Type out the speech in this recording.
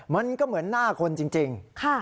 มันก็เหมือนหน้าคนจริง